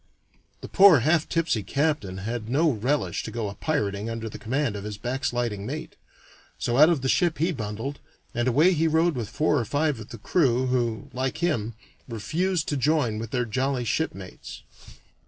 The poor half tipsy captain had no relish to go a pirating under the command of his backsliding mate, so out of the ship he bundled, and away he rowed with four or five of the crew, who, like him, refused to join with their jolly shipmates.